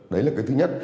đấy là cái thứ nhất